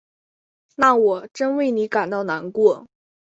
那我真为你感到难过。